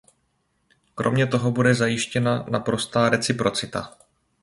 Kromě toho bude zajištěna naprostá reciprocita.